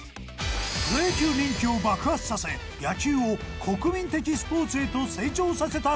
プロ野球人気を爆発させ野球を国民的スポーツへと成長させたレジェンド。